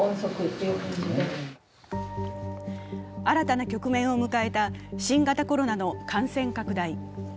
新たな局面を迎えた新型コロナの感染拡大。